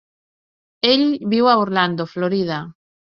Ell viu a Orlando, Florida.